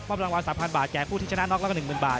รางวัล๓๐๐บาทแก่ผู้ที่ชนะน็อกแล้วก็๑๐๐บาท